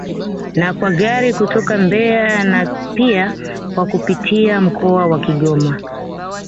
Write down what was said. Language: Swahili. Na kwa Gari kutoka Mbeya na pia kwa kupitia mkoa wa Kigoma